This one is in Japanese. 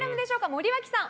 森脇さん